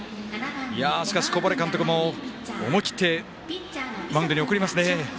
しかし、小針監督も思い切ってマウンドに送りますね。